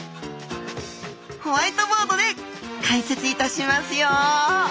ホワイトボードで解説いたしますよ！